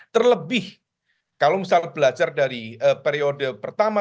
terlebih kalau misal belajar dari periode pertama